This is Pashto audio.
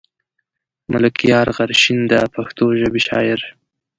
ملکيار غرشين د پښتو ژبې شاعر.